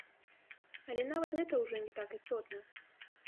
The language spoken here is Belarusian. Але нават гэта ўжо не так істотна.